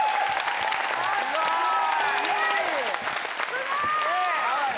すごーい！